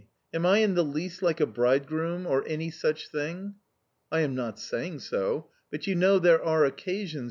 Am I in the least like a bridegroom, or any such thing?" "I am not saying so... But you know there are occasions..."